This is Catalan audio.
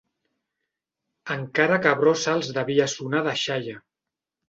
Encara que Brossa els devia sonar a deixalla.